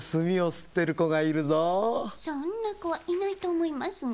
そんなこはいないとおもいますが。